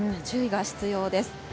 注意が必要です。